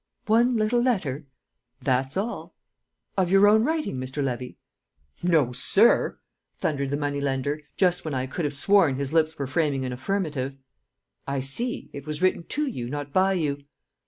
"One little letter?" "That's all." "Of your own writing, Mr. Levy?" "No, sir!" thundered the money lender, just when I could have sworn his lips were framing an affirmative. "I see; it was written to you, not by you."